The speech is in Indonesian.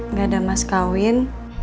gak ada mas kawin